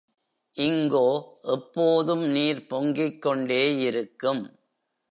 இங்கோ எப்போதும் நீர் பொங்கிக் கொண்டேயிருக்கும்.